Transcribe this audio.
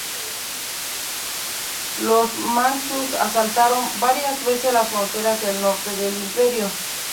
Los manchúes asaltaron, varias veces, las fronteras del Norte del imperio.